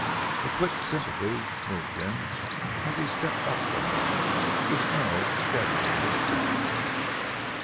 A quick sympathy moved him as he stepped up to her, the snow deadening his steps.